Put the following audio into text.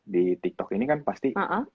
di tiktok ini kan pasti